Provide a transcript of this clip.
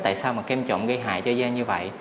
tại sao mà kem trộn gây hại cho da như vậy